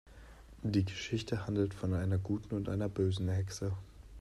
Die Geschichte handelt von einer guten und einer bösen Hexe.